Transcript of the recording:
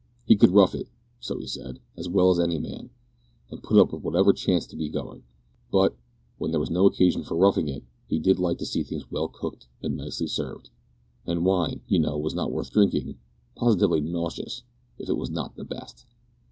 He could rough it, (so he said), as well as any man, and put up with whatever chanced to be going, but, when there was no occasion for roughing it, he did like to see things well cooked and nicely served; and wine, you know, was not worth drinking positively nauseous if it was not of the best.